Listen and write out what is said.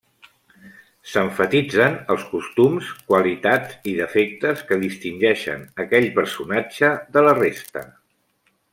S'emfatitzen els costums, qualitats i defectes que distingeixen aquell personatge de la resta.